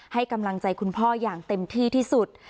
ให้กำลังใจคุณพ่ออย่างเต็มที่ที่สุด